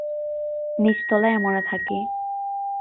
নিচতলায় আমরা থাকি।